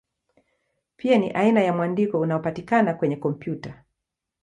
Pia ni aina ya mwandiko unaopatikana kwenye kompyuta.